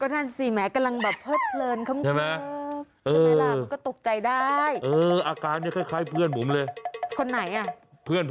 ท่านสิแหมกำลังแบบเพิดเรินขึ้น